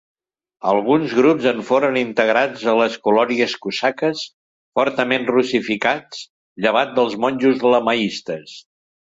Alguns grups en foren integrats a les colònies cosaques, fortament russificats, llevat dels monjos lamaistes.